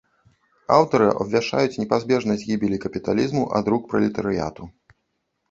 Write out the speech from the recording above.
Аўтары абвяшчаюць непазбежнасць гібелі капіталізму ад рук пралетарыяту.